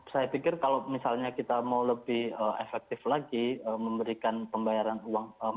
saya pikir kalau misalnya kita mau lebih efektif lagi memberikan pembayaran uang